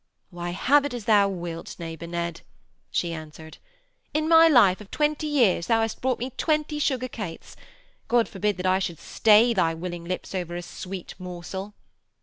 'Why, have it as thou wilt, Neighbour Ned,' she answered. 'In my life of twenty years thou hast brought me twenty sugar cates. God forbid that I should stay thy willing lips over a sweet morsel.'